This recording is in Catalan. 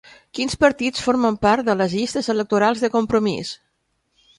Quins partits formen part de les llistes electorals de Compromís?